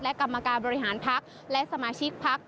และกรรมการบริหารภักดิ์และสมาชิกภักดิ์